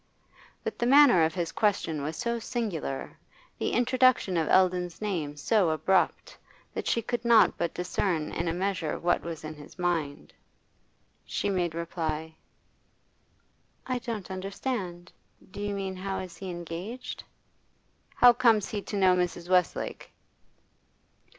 But the manner of his question was so singular, the introduction of Eldon's name so abrupt, that she could not but discern in a measure what was in his mind. She made reply: 'I don't understand. Do you mean how is he engaged?' 'How comes he to know Mrs. Westlake?